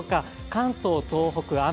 関東、東北は雨。